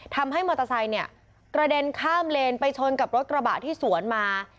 ทำให้มอเตอร์ไซค์เนี่ยกระเด็นข้ามเลนไปชนกับรถกระบะที่สวนมา